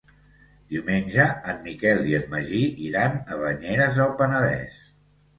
Diumenge en Miquel i en Magí iran a Banyeres del Penedès.